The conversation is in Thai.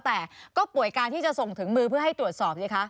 แต่ก็ป่วยการที่จะส่งถึงมือเพื่อให้ตรวจสอบสิคะ